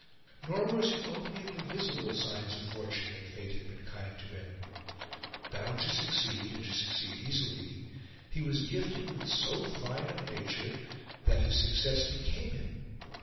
Nor was it only in the visible signs of fortune that Fate had been kind to him. Bound to succeed, and to succeed easily, he was gifted with so fine a nature that his success became him.